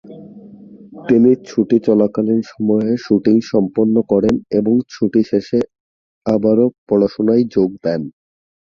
তিনি ছুটি চলাকালীন সময়ে শুটিং সম্পন্ন করেন এবং ছুটি শেষে আবারো পড়াশোনায় যোগ দেন।